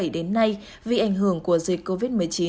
đến nay vì ảnh hưởng của dịch covid một mươi chín